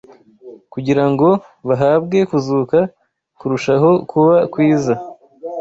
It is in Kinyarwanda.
kugira ngo bahabwe kuzuka kurushaho kuba kwiza